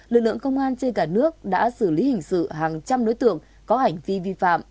lực lượng công an trên cả nước đã xử lý hình sự hàng trăm đối tượng có hành vi vi phạm